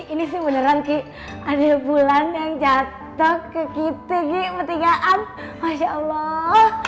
ini sih beneran ki ada bulan yang jatuh ke kita kikiaan masya allah